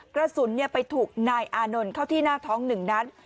กระสุนไปถูกนายอานนท์เข้าที่หน้าท้อง๑นัด